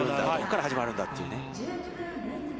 ここから始まるんだというね。